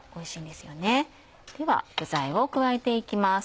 では具材を加えて行きます。